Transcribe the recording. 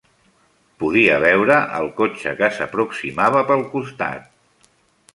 Podia veure el cotxe que s'aproximava pel costat.